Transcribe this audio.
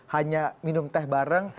hanya minum teh bareng